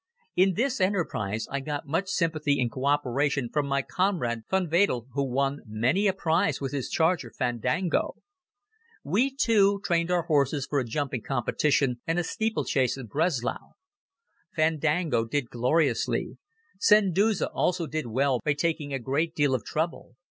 In this enterprise I got much sympathy and co operation from my comrade von Wedel, who won many a prize with his charger, Fandango. We two trained our horses for a jumping competition and a steeplechase in Breslau. Fandango did gloriously. Santuzza also did well by taking a great deal of trouble.